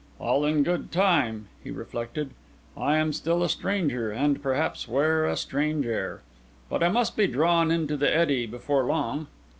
"All in good time," he reflected. "I am still a stranger, and perhaps wear a strange air. But I must be drawn into the eddy before long."